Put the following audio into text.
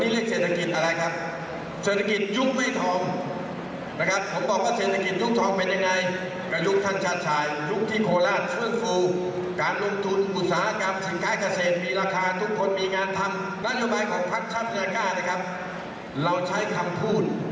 เราใช้คำพูดสั้นว่าอะไรครับงานดีมีเงินของไม่แทน